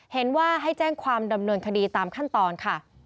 เห็นว่าให้แจ้งความดำเนินคดีตามขั้นตอนค่ะ